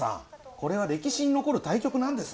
これは歴史に残る対局なんです。